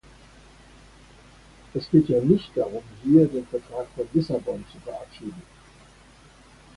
Es geht ja nicht darum, hier den Vertrag von Lissabon zu verabschieden.